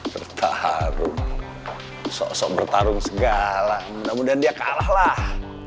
bertarung sosok bertarung segala mudah mudahan dia kalah lah